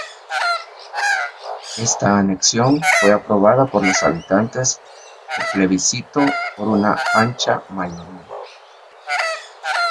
Esta anexión fue aprobada por los habitantes por plebiscito por una ancha mayoría.